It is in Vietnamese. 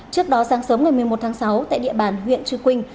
trước đó sáng sớm ngày một mươi một tháng sáu tại địa bàn huyện trư quỳnh